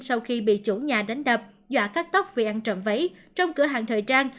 sau khi bị chủ nhà đánh đập dọa cắt tóc vì ăn trộm váy trong cửa hàng thời trang